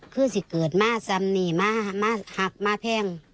คือสิเกิดมาซ้ำนี่มาหักมาแพง